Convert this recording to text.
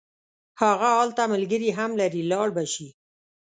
هغه هلته ملګري هم لري لاړ به شي.